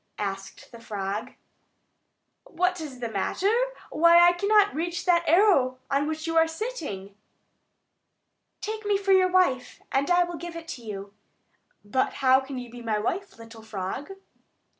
asked the frog. "What is the matter? Why, I cannot reach that arrow on which you are sitting." "Take me for your wife, and I will give it to you." "But how can you be my wife, little frog?"